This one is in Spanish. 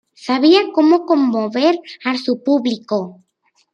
Sabía cómo conmover a su público.